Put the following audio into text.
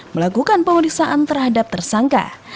melakukan pengelisaan terhadap tersangka